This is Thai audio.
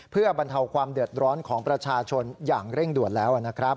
เพื่อบรรเทาความเดือดร้อนของประชาชนอย่างเร่งด่วนแล้วนะครับ